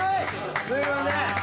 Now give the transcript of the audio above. すいません！